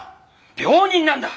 病人なんだ！